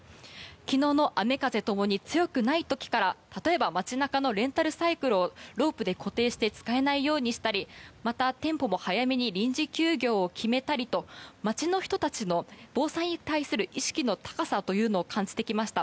昨日の雨風共に強くない時から例えば、街中のレンタルサイクルをロープで固定して使えないようにしたりまた、店舗も早めに臨時休業を決めたりと街の人たちの防災に対する意識の高さというのを感じてきました。